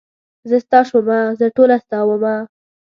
زه ستا شومه زه ټوله ستا ومه.